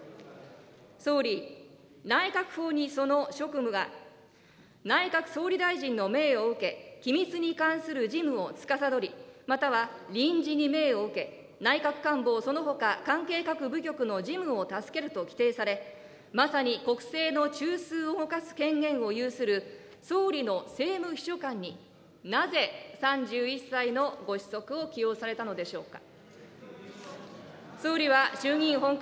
総理、内閣法にその職務が、内閣総理大臣の命を受け、機密に関する事務をつかさどり、または臨時に命を受け、内閣官房そのほか関係各部局の事務を助けると規定され、まさにこくしの中枢を動かす権限を有する総理の政務秘書官に、なぜ、３１歳のご子息を起用されたのでしょうか。